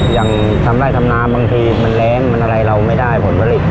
อย่างทำไร่ทำนาบางทีมันแรงมันอะไรเราไม่ได้ผลผลิต